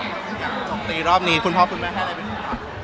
อย่างสมตีรอบนี้คุณพ่อคุณแม่ให้อะไรเป็นของคุณพ่อคุณแม่